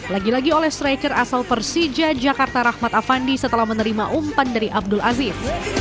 lagi lagi oleh striker asal persija jakarta rahmat afandi setelah menerima umpan dari abdul aziz